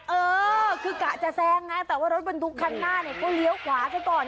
เออคือกะจะแซงไงแต่ว่ารถบรรทุกคันหน้าเนี่ยก็เลี้ยวขวาซะก่อน